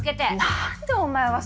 何でお前は。